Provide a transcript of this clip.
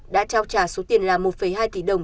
đã trao trả số tiền là một hai tỷ đồng